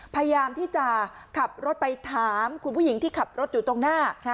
พยายามที่จะขับรถไปถามคุณผู้หญิงที่ขับรถอยู่ตรงหน้า